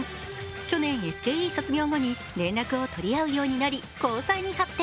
去年、ＳＫＥ卒業後に連絡を取り合うようになり交際に発展。